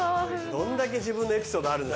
どんだけ自分のエピソードあるんだ。